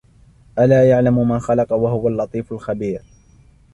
أَلَا يَعْلَمُ مَنْ خَلَقَ وَهُوَ اللَّطِيفُ الْخَبِيرُ